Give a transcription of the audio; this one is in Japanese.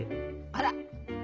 あら！